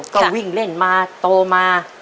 ก็วิ่งเล่นมาโตมา